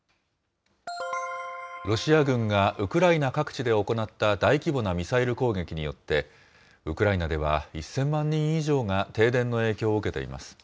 ロシア軍がウクライナ各地で行った大規模なミサイル攻撃によって、ウクライナでは１０００万人以上が停電の影響を受けていま